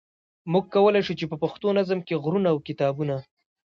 موږ کولای شو چې په پښتو نظم کې غرونه او کتابونه.